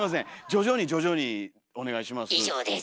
徐々に徐々にお願いします。